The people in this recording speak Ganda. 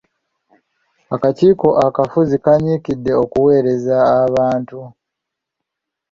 Akakiiko akafuzi kanyiikidde okuweereza abantu.